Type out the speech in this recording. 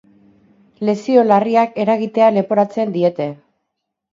Lesio larriak eragitea leporatzen diete.